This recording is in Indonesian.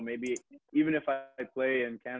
jadi aku akan suka aku akan suka